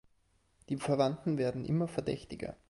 Die Verwandten werden immer verdächtiger.